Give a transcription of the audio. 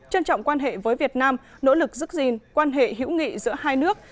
trân trọng quan hệ với việt nam nỗ lực giữ gìn quan hệ hữu nghị giữa hai nước